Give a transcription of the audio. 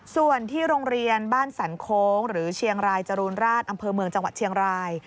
ส่วนที่โรงเรียนบ้านสันโค้งหรือเชียงรายจรูนราชอำเภอเมืองจังหวัดเชียงราย